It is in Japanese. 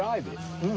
うん。